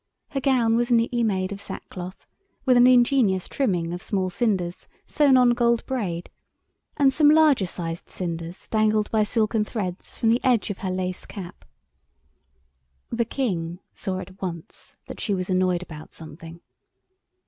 Her gown was neatly made of sack cloth—with an ingenious trimming of small cinders sewn on gold braid—and some larger sized cinders dangled by silken threads from the edge of her lace cap. The King saw at once that she was annoyed about something.